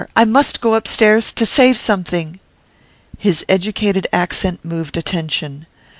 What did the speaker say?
I must go upstairs to save something!' His educated accent moved attention.